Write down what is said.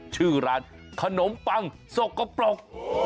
ชื่อร้านขนมปังสกปรก